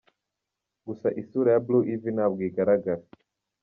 Gusa isura ya Blue Ivy ntabwo igaragara.